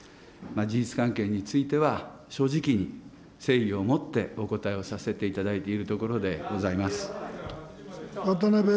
事実関係については正直に誠意を持ってお答えをさせていただいているところでございます。